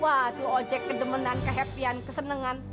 wah itu ojek kedemenan ke happyan kesenengan